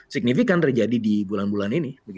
signifikan terjadi di bulan bulan ini